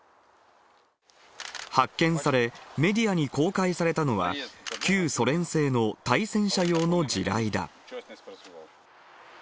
発見され、メディアに公開されたのは、旧ソ連製の対戦車用の地雷だ。